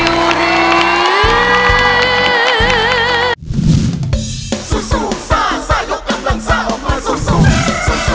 สู้ซ่าซ่ายกกำลังซ่าออกมาสู้